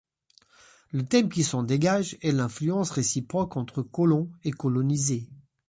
Le thème qui s'en dégage est l'influence réciproque entre colons et colonisés.